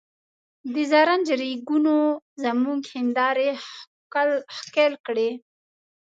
د زرنج ریګونو زموږ هندارې ښکل کړې.